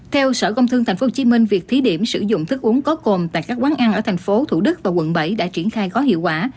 theo sở công thương tp hcm việc thí điểm sử dụng thức uống có cồn tại các quán ăn ở tp thủ đức và quận bảy đã triển khai có hiệu quả